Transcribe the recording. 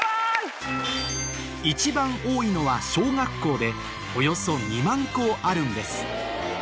一番多いのは小学校でおよそ２万校あるんです